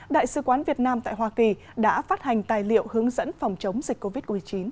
đại sứ quán việt nam tại hoa kỳ đã phát hành tài liệu hướng dẫn phòng chống dịch covid một mươi chín